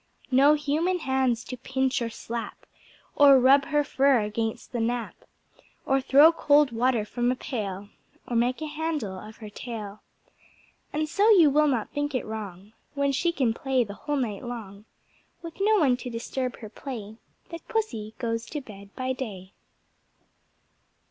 No Human hands to pinch or slap, Or rub her fur against the nap, Or throw cold water from a pail, Or make a handle of her tail. And so you will not think it wrong When she can play the whole night long, With no one to disturb her play, That Pussy goes to bed by day.